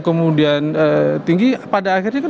kemudian tinggi pada akhirnya